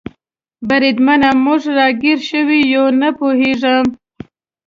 بریدمنه، موږ را ګیر شوي یو؟ نه پوهېږم.